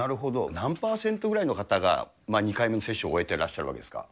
何％ぐらいの方が２回目の接種を終えてらっしゃるわけですか。